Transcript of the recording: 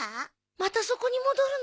またそこに戻るの？